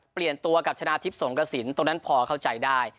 เปลี่ยนตัวกับชนะทิพย์สงกระสินตรงนั้นพอเข้าใจได้